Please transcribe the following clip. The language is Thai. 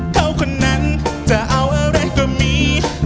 เขาคนนั้นจะเอาอะไรก็มี